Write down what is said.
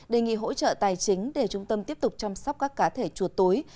đề nghị hỗ trợ tài chính để trung tâm tiếp tục chăm sóc các cá thể chuột túi